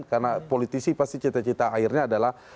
karena politisi pasti cita cita akhirnya adalah